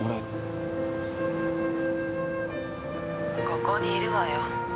ここにいるわよ。